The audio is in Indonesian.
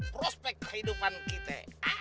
prospek kehidupan kita